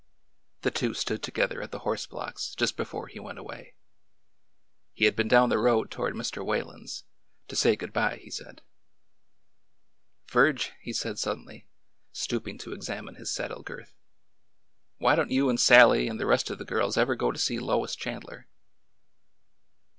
The two stood together at the horse blocks just before he went away. He had been down the road toward Mr. Whalen's — to say good by, he said. Virge/' he said suddenly, stooping to examine his saddle girth, why don't you and Sallie and the rest of the girls ever go to see Lois Chandler